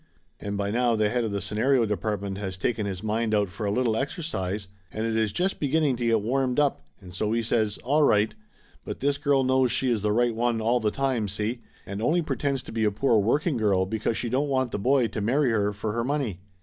And by now the head of the scenario de partment has taken his mind out for a little exercise and it is just beginning to get warmed up and so he says, all right, but this girl knows she is the right one all the time, see, and only pretends to be a poor work ing girl because she don't want the boy to marry her for her money.